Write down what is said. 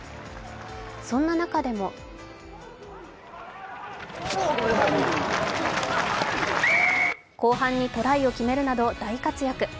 そんな中でも後半にトライを決めるなど大活躍。